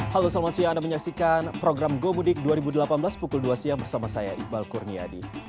halo selamat siang anda menyaksikan program gomudik dua ribu delapan belas pukul dua siang bersama saya iqbal kurniadi